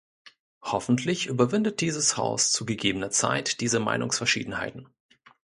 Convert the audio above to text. Hoffentlich überwindet dieses Haus zu gegebener Zeit diese Meinungsverschiedenheiten.